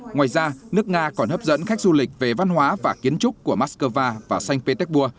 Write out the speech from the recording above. ngoài ra nước nga còn hấp dẫn khách du lịch về văn hóa và kiến trúc của moscow và xanh petersburg